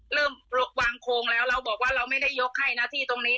เริ่มวางโครงแล้วเราบอกว่าเราไม่ได้ยกให้นะที่ตรงนี้